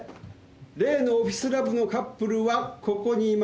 例のオフィスラブのカップルはここにいました。